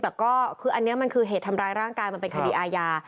แต่ก็คืออันนี้มันคือเหตุทำร้ายร่างกายมันเป็นคดีอาญา